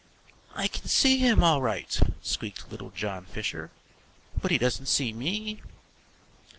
"I can see him all right," squeaked little John Fisher, "but he doesn't see me."